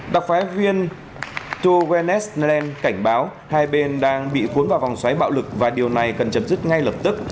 đặc phái viên tu wenet cảnh báo hai bên đang bị cuốn vào vòng xoáy bạo lực và điều này cần chấm dứt ngay lập tức